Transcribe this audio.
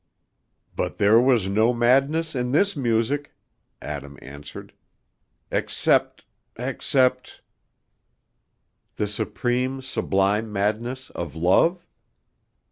"But there was no madness in this music," Adam answered, "except, except " "The supreme, sublime madness of love?